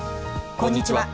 こんにちは。